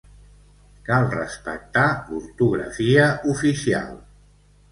Cal respectar l'ortografia oficial.